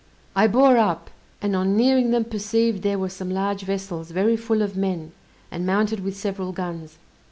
I bore up, and on nearing them perceived there were some large vessels, very full of men, and mounted with several guns.